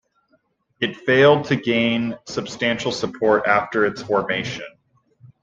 It failed to gain substantial support after its formation.